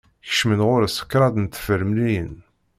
Kecment ɣer-s kraḍ n tefremliyin.